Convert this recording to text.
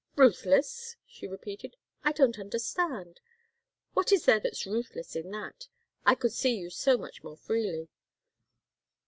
"Ruthless?" she repeated. "I don't understand. What is there that's ruthless in that? I could see you so much more freely."